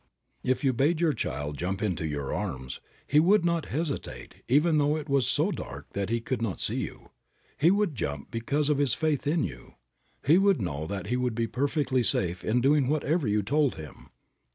If you bade your child jump into your arms, he would not hesitate even though it was so dark that he could not see you. He would jump because of his faith in you. He would know that he would be perfectly safe in doing whatever you told him.